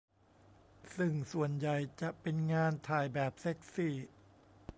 ซึ่งส่วนใหญ่จะเป็นงานถ่ายแบบเซ็กซี่